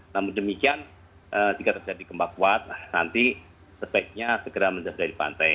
namun demikian jika terjadi gempa kuat nanti sebaiknya segera menjauh dari pantai